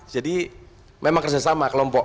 jadi memang kerjasama kelompok